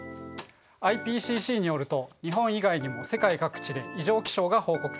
ＩＰＣＣによると日本以外にも世界各地で異常気象が報告されています。